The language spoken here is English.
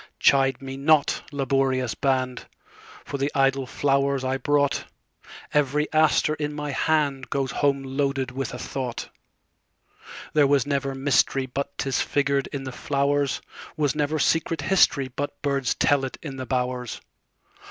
Chide me not, laborious band, For the idle flowers I brought; Every aster in my handGoes home loaded with a thought. There was never mysteryBut 'tis figured in the flowers; SWas never secret historyBut birds tell it in the bowers.